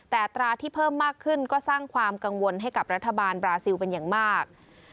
แต่อัตราที่เพิ่มมากขึ้นก็สร้างความกังวลให้กับรัฐบาลบราซิลเป็นอย่างมาก